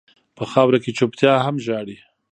په خاوره کې چپتيا هم ژاړي.